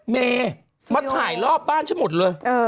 เมย์มาถ่ายรอบบ้านฉันหมดเลย